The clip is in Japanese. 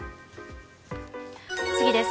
次です。